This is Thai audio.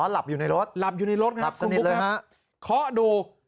อ๋อหลับอยู่ในรถหลับอยู่ในรถครับคุณพุกครับคลอดดู